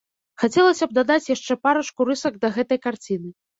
Хацелася б дадаць яшчэ парачку рысак да гэтай карціны.